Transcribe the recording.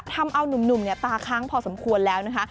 ทำเอานุ่มตาค้างพอสมควรแล้วนะคะ